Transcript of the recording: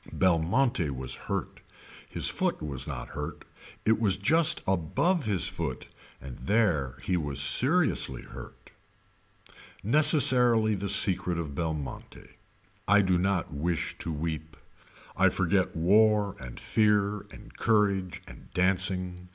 Belmonte was hurt. His foot was not hurt. It was just above his foot and there he was seriously hurt. Necessarily the secret of Belmonte. I do not wish to weep. I forget war and fear and courage and dancing.